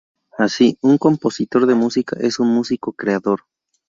Así, un compositor de música es un músico creador.